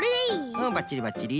うんばっちりばっちり。